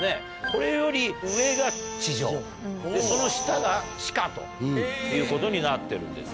これより上が地上その下が地下ということになってるんですね。